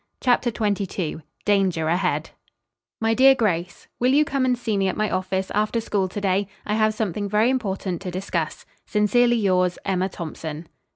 CHAPTER XXII DANGER AHEAD MY DEAR GRACE: Will you come and see me at my office after school to day? I have something very important to discuss. Sincerely yours, EMMA THOMPSON.